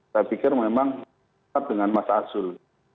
saya pikir memang sama dengan mas arzul